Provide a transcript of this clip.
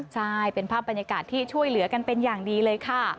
ใช่เป็นภาพบรรยากาศที่ช่วยเหลือกันเป็นอย่างดีเลยค่ะ